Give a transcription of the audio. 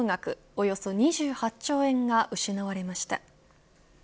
およそ２８兆円が失われました。